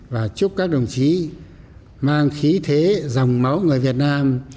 và chúc các đồng chí mang khí thế dòng máu người việt nam